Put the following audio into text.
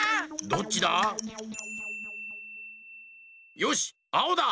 よしあおだ！